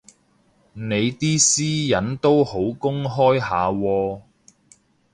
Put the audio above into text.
你啲私隱都好公開下喎